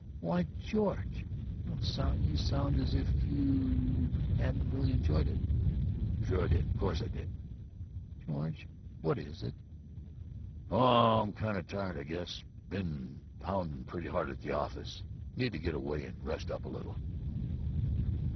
"Why, George, you don't sound you sound as if you hadn't really enjoyed it." "Sure I did! Course I did!" "George! What is it?" "Oh, I'm kind of tired, I guess. Been pounding pretty hard at the office. Need to get away and rest up a little."